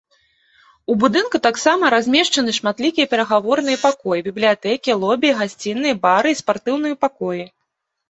У будынку таксама размешчаны шматлікія перагаворныя пакоі, бібліятэкі, лобі, гасціныя, бары і спартыўныя пакоі.